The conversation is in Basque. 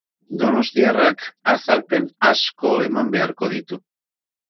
Donostiarrak azalpen asko eman beharko ditu.